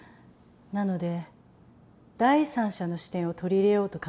なので第三者の視点を取り入れようと考えたのです。